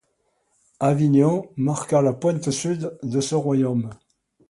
Avignon marqua la pointe sud de ce royaume.